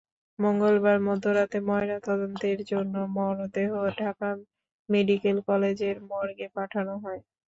মঙ্গলবার মধ্যরাতে ময়নাতদন্তের জন্য মরদেহ ঢাকা মেডিকেল কলেজের মর্গে পাঠানো হয়।